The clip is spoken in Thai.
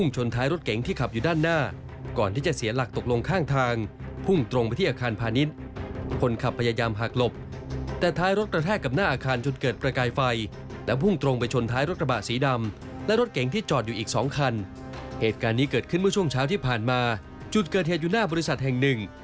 จุดเกิดเหตุอยู่หน้าบริษัทแห่งหนึ่ง